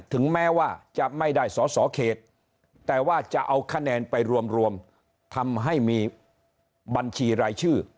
ถึงแม้ว่าจะไม่ได้สอสอเขตแต่ว่าจะเอาคะแนนไปรวมทำให้มีบัญชีรายชื่อ